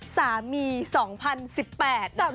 สามี๒๐๑๘นะคะ